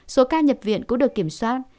số ca nhập viện cũng được kiểm soát